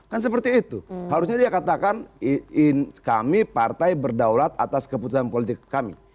kan seperti itu harusnya dia katakan kami partai berdaulat atas keputusan politik kami